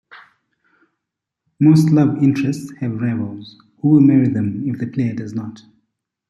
Most love interests have rivals, who will marry them if the player does not.